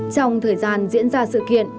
trong thời gian diễn ra sự kiện